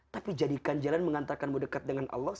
tapi jadikan jalan mengantarkanmu dekat dengan allah